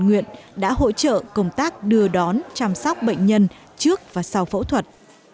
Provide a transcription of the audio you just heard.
nguyện đã hỗ trợ công tác đưa đón chăm sóc bệnh nhân trước và sau phẫu thuật